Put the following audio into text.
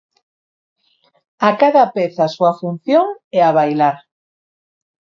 A cada peza a súa función, e a bailar.